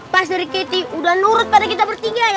pas dari kety udah nurut pada kita ber tiga ya